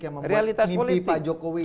yang membuat mimpi pak jokowi